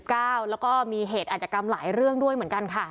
แล้วก็มีเหตุอาจกรรมหลายเรื่องด้วยเหมือนกันค่ะ